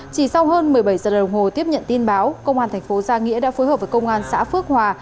chỉ sau hơn một mươi bảy giờ đồng hồ tiếp nhận tin báo công an thành phố gia nghĩa đã phối hợp với công an xã phước hòa